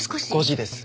５時です。